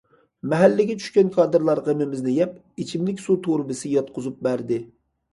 مەھەللىگە چۈشكەن كادىرلار غېمىمىزنى يەپ، ئىچىملىك سۇ تۇرۇبىسى ياتقۇزۇپ بەردى.